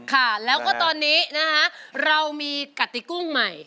ค่ะแล้วก็ตอนนี้นะคะเรามีกติกุ้งใหม่